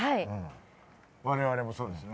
我々もそうですね。